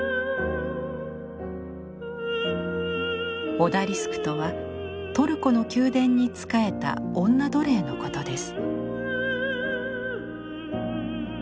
オダリスクとはトルコの宮殿に仕えた女奴隷のことです。